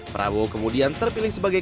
prabowo kemudian terpilih sebagai